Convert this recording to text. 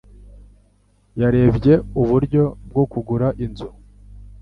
Yarebye uburyo bwo kugura inzu.